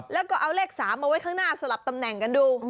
แล้วก็เอาเลข๓มาไว้ข้างหน้าสลับตำแหน่งกันดู